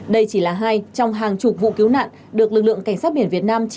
đây chỉ là hai trong hàng chục vụ cứu nạn được lực lượng cảnh sát biển đã lệnh cho tàu cảnh sát biển ba nghìn năm